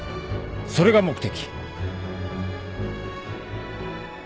それが目的。